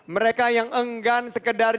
mereka yang enggan sekedar